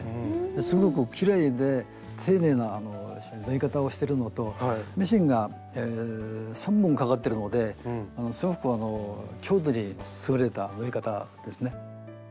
すごくきれいで丁寧な縫い方をしてるのとミシンが３本かかってるのですごく強度に優れた縫い方ですね。